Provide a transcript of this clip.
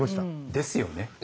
「ですよね」